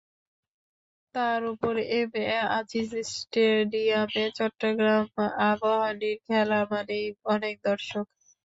তার ওপর এমএ আজিজ স্টেডিয়ামে চট্টগ্রাম আবাহনীর খেলা মানেই অনেক দর্শক।